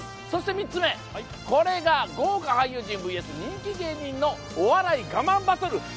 そして３つ目、これが豪華俳優陣ＶＳお笑い芸人のお笑い我慢バトル。